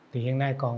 thì hiện nay còn